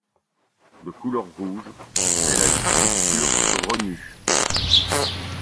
De couleur rouge, elle a une structure grenue.